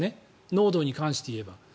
濃度に関していえば。